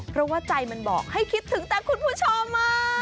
เพราะว่าใจมันบอกให้คิดถึงแต่คุณผู้ชม